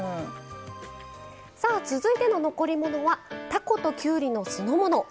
続いての残り物はたこときゅうりの酢の物。